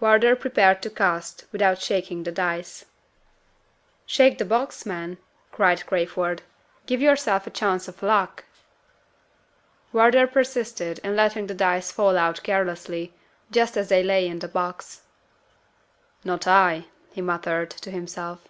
Wardour prepared to cast, without shaking the dice. "Shake the box, man!" cried Crayford. "Give yourself a chance of luck!" Wardour persisted in letting the dice fall out carelessly, just as they lay in the box. "Not I!" he muttered to himself.